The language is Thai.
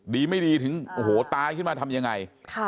ดีไม่ดีถึงโอ้โหตายขึ้นมาทำยังไง